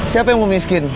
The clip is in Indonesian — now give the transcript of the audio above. siapa yang mau miskin